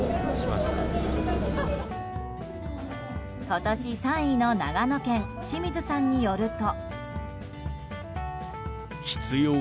今年３位の長野県清水さんによると。